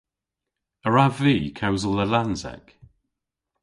A wrav vy kewsel Lallansek?